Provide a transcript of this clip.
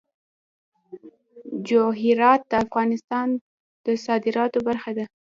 جواهرات د افغانستان د صادراتو برخه ده.